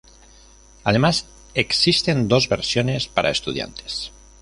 Además, existen dos versiones para estudiantes.